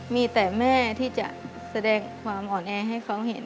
มีแต่แม่ที่จะแสดงความอ่อนแอให้เขาเห็น